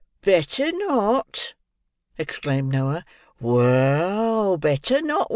"Better not!" exclaimed Noah. "Well! Better not!